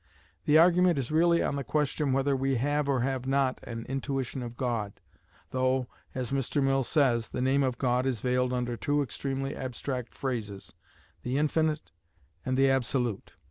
The argument is really on the question whether we have or have not an intuition of God, though, as Mr. Mill says, "the name of God is veiled under two extremely abstract phrases, 'The Infinite' and 'The Absolute.'"